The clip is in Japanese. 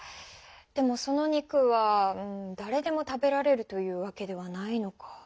でもその肉はだれでも食べられるというわけではないのか。